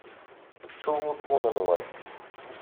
Ttuɣ uṭṭun-nwen.